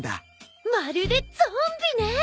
まるでゾンビね！